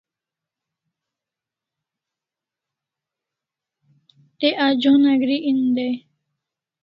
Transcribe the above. Te anjona geri en day